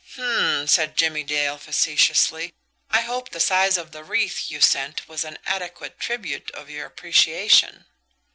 "H'm!" said Jimmie Dale facetiously. "I hope the size of the wreath you sent was an adequate tribute of your appreciation."